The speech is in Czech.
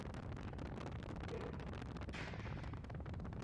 Nemocnice je samostatně stojící objekt skládající se z přízemí a suterénu.